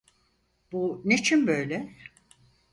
Bu niçin böyle?